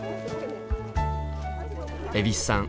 蛭子さん